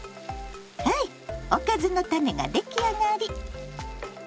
ハイおかずのタネが出来上がり。